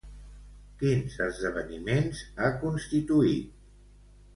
Quins esdeveniments ha constituït?